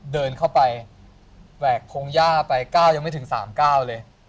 เดินเข้าไปแหวกพงหญ้าไป๙ยังไม่ถึง๓๙เลย